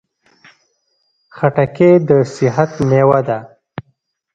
خټکی د صحت مېوه ده.